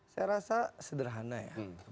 saya rasa sederhana ya